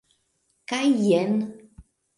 Kaj jen!